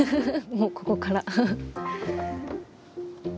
もうここから。